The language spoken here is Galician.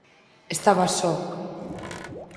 Estaba só.